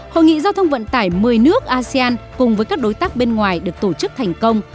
hội nghị giao thông vận tải một mươi nước asean cùng với các đối tác bên ngoài được tổ chức thành công